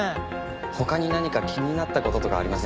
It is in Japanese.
他に何か気になった事とかありませんか？